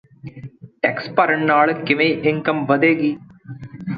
tax ਭਰਨ ਨਾਲ ਕਿਵੇਂ ਇਨਕਮ ਵਧੇਗੀ